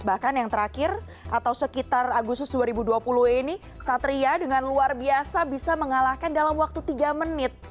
bahkan yang terakhir atau sekitar agustus dua ribu dua puluh ini satria dengan luar biasa bisa mengalahkan dalam waktu tiga menit